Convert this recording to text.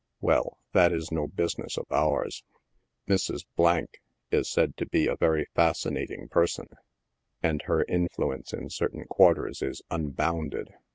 Well, that is no business of ours. Mrs. is said to be a very fascinating person, and her influence in certain quarters is unbounded.